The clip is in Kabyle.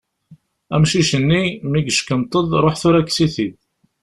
Amcic-nni, mi yeckenṭeḍ, ṛuḥ tura kkes-it-id.